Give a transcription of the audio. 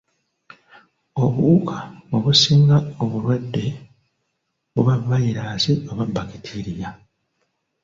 Obuwuka obusiiga obulwadde buba vvayirasi oba bbakitiriy?